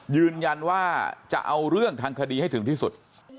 ยืนยันว่าจะเอาเรื่องทางคดีให้ถึงที่สุด